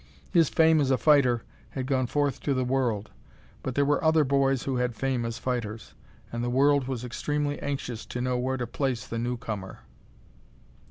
His fame as a fighter had gone forth to the world, but there were other boys who had fame as fighters, and the world was extremely anxious to know where to place the new comer.